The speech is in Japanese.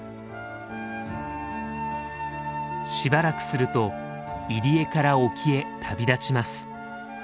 しばらくすると入り江から沖へ旅立ちます。